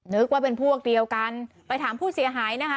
นึกว่าเป็นพวกเดียวกันไปถามผู้เสียหายนะคะ